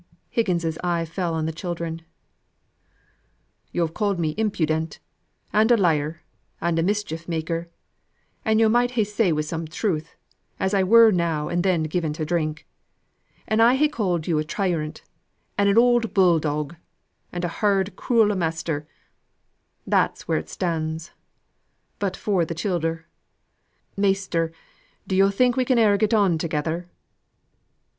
Higgins's eye fell on the children. "Yo've called me impudent, and a liar, and a mischief maker, and yo' might ha' said wi' some truth, as I were now and then given to drink. An', I ha' called you a tyrant, an' an oud bull dog, and a hard, cruel master; that's where it stands. But for th' childer, Measter, do yo' think we can e'er get on together?"